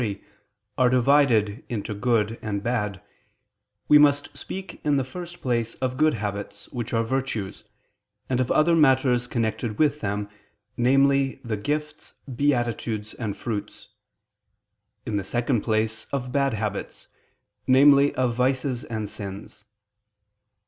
3), are divided into good and bad, we must speak in the first place of good habits, which are virtues, and of other matters connected with them, namely the Gifts, Beatitudes and Fruits; in the second place, of bad habits, namely of vices and sins.